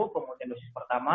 kemudian dosis pertama